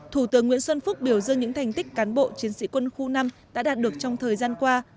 thủ tướng nguyễn xuân phúc biểu dương những thành tích cán bộ chiến sĩ quân khu năm đã đạt được trong thời gian qua